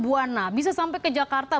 buwana bisa sampai ke jakarta